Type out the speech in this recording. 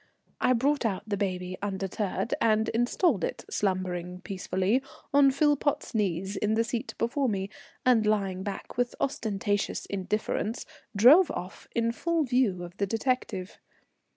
I brought out the baby undeterred, and installed it, slumbering peacefully, on Philpotts's knees in the seat before me, and lying back with ostentatious indifference, drove off in full view of the detective.